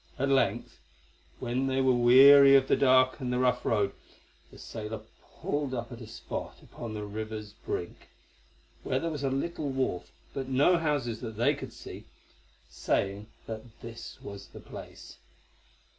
At length, when they were weary of the dark and the rough road, the sailor pulled up at a spot upon the river's brink—where there was a little wharf, but no houses that they could see—saying that this was the place.